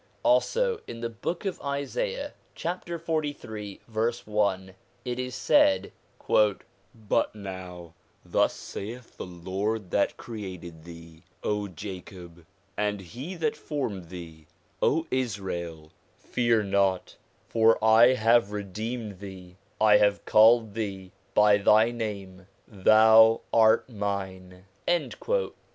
Also in the Book of Isaiah, chapter 43, verse 1, it is said :' But now thus saith the Lord that created thee, Jacob, and He that formed thee, Israel, Fear not: for I have re deemed thee, I have called thee by thy name; thou art Mine.'